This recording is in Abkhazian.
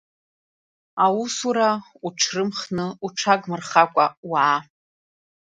Аусура уҽрымхны, уҽагмырхакәа уаа.